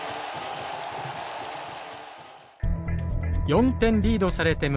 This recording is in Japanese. ４点リードされて迎えた